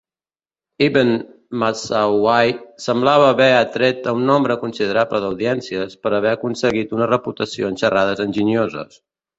Ibn Masawayh semblava haver atret a un nombre considerable d"audiències, per haver aconseguit una reputació en xerrades enginyoses.